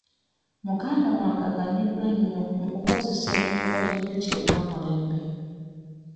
Muganda wange aganyuddwa nnyo mu ku kozesa ebiyumba by'enjuki eby'omulembe.